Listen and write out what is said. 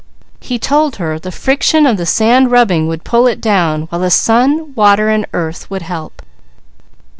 He told her the friction of the sand rubbing would pull it down, while the sun, water, and earth would help.